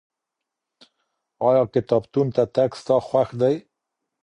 ايا کتابتون ته تګ ستا خوښ دی؟